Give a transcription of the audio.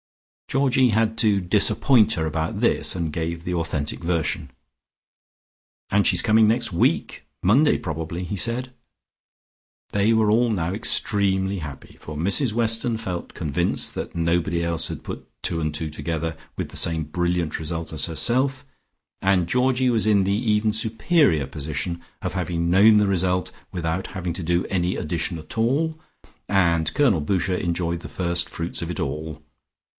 Georgie had to disappoint her about this, and gave the authentic version. "And she's coming next week, Monday probably," he said. They were all now extremely happy, for Mrs Weston felt convinced that nobody else had put two and two together with the same brilliant result as herself, and Georgie was in the even superior position of having known the result without having to do any addition at all, and Colonel Boucher enjoyed the first fruits of it all.